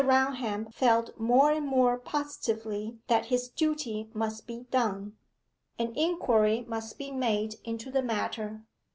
Raunham felt more and more positively that his duty must be done. An inquiry must be made into the matter.